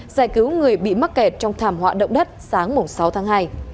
giải cứu người bị mắc kẹt trong thảm họa động đất sáng sáu tháng hai